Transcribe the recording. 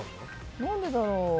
何でだろう。